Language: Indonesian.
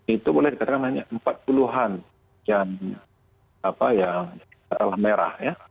itu boleh diterang terang hanya empat puluh an yang merah